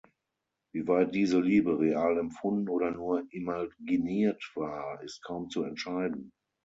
Wie weit diese Liebe real empfunden oder nur imaginiert war, ist kaum zu entscheiden.